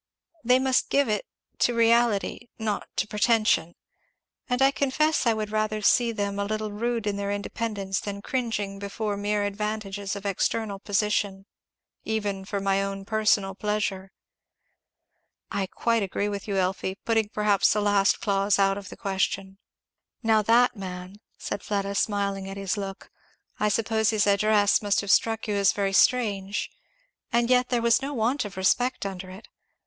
They must give it to reality, not to pretension. And I confess I would rather see them a little rude in their independence than cringing before mere advantages of external position; even for my own personal pleasure." "I agree with you, Elfie, putting perhaps the last clause out of the question." "Now that man," said Fleda, smiling at his look, "I suppose his address must have struck you as very strange; and yet there was no want of respect under it.